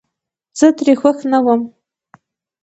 زه ترې خوښ نه ووم